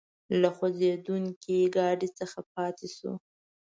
له خوځېدونکي ګاډي څخه پاتې شوو.